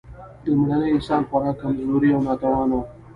لومړني انسانان خورا کمزوري او ناتوانه وو.